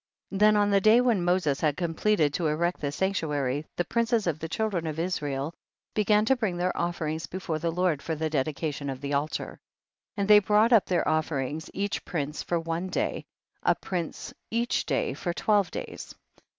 7. Then on the day when Moses 248 THE BOOK OF JASHER. had completed to erect the sanctuary, the princes of the children of Israel began to bring their offerings before the Lord for the dedication of the altar. 8. And they brought up their of ferings each prince for one day, a prince each day for twelve days.